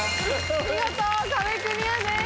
見事壁クリアです。